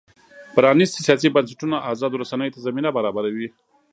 پرانیستي سیاسي بنسټونه ازادو رسنیو ته زمینه برابروي.